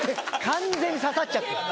完全に刺さっちゃってる。